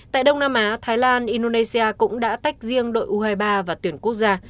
tại đông nam á thái lan indonesia cũng đã tách riêng đội u hai mươi ba và tuyển quốc gia